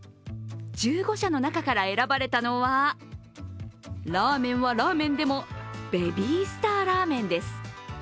１５社の中から選ばれたのはラーメンはラーメンでもベビースターラーメンです。